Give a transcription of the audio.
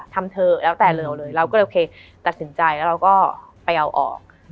เธอแล้วแต่เราเลยเราก็โอเคตัดสินใจแล้วเราก็ไปเอาออก